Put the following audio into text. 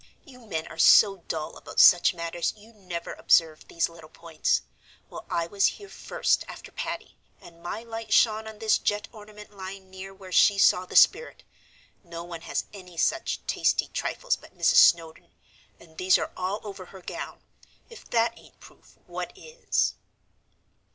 You men are so dull about such matters you'd never observe these little points. Well, I was here first after Patty, and my light shone on this jet ornament lying near where she saw the spirit. No one has any such tasty trifles but Mrs. Snowdon, and these are all over her gown. If that ain't proof, what is?"